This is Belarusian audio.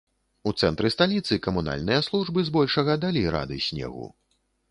У цэнтры сталіцы камунальныя службы збольшага далі рады снегу.